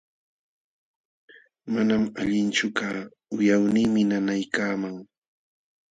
Manam allinchu kaa, wiqawniimi nanaykaaman.